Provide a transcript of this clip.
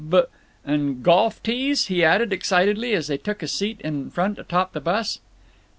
"B—" "And golf tees!" he added, excitedly, as they took a seat in front atop the bus.